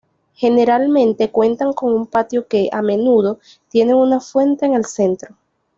Generalmente cuentan con un patio que, a menudo, tiene una fuente en el centro.